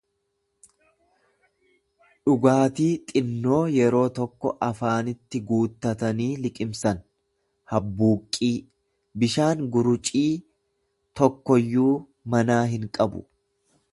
dhugaatii xinnoo yeroo tokko afaanitti guuttatanii liqimsan; habbuuqqii; Bishaan guruciii tokkoyyuu manaa hin qabu.